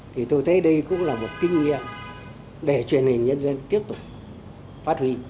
thì tôi thấy đây cũng là một kinh nghiệm để truyền hình nhân dân tiếp tục phát huy